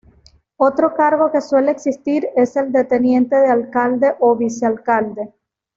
Otro cargo que suele existir es el de teniente de alcalde o vicealcalde.